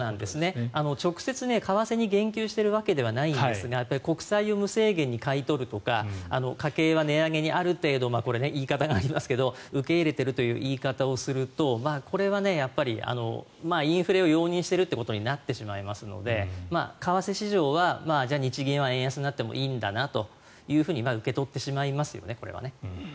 直接、為替に言及してるわけではないんですが国債を無制限に買い取るとか家計は値上げにある程度これは言い方がありますけど受け入れているという言い方をするとこれはやっぱりインフレを容認してるということになってしまいますので為替市場は、日銀は円安になってもいいんだなと受け取ってしまいますよね。